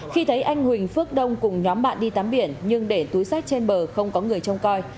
khi thấy anh huỳnh phước đông cùng nhóm bạn đi tắm biển nhưng để túi sách trên bờ không có người trông coi